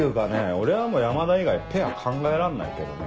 俺はもう山田以外ペア考えらんないけどね。